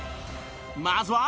まずは